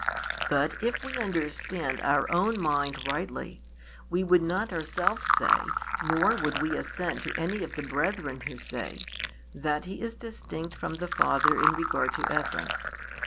But, if we understand our own mind rightly, we would not ourselves say, nor would we assent to any of the brethren who say, that He is distinct from the Father in regard to essence.